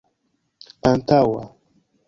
antaŭa